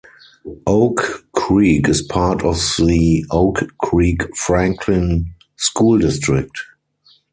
Oak Creek is part of the Oak Creek Franklin School District.